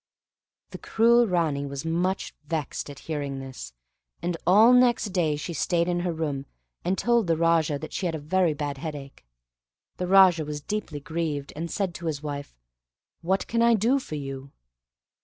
The cruel Ranee was much vexed at hearing this, and all next day she stayed in her room, and told the Raja that she had a very bad headache. The Raja was deeply grieved, and said to his wife, "What can I do for you?"